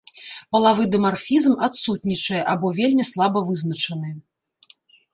Палавы дымарфізм адсутнічае або вельмі слаба вызначаны.